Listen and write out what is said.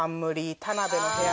田辺の部屋。